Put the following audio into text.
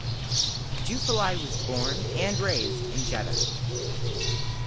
Juffali was born and raised in Jeddah.